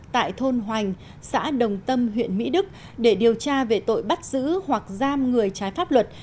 tại thôn hoành xã đồng tâm huyện mỹ đức để điều tra về tội bắt giữ hoặc giam người trái pháp luật